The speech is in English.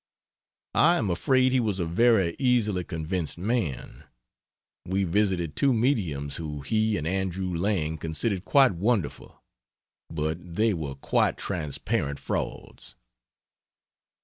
I am afraid he was a very easily convinced man. We visited two mediums whom he and Andrew Lang considered quite wonderful, but they were quite transparent frauds.